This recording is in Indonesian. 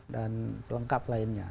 dan lengkap lainnya